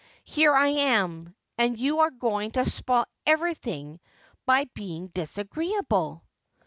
Here I am, and you are going to spoil everything by being disagreeable.'